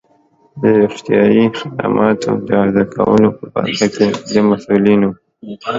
د روغتیایی خدماتو د عرضه کولو په برخه کې د مسؤلینو